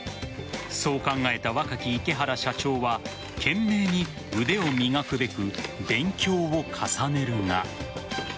そう考えた若き池原社長は懸命に腕を磨くべく勉強を重ねるが。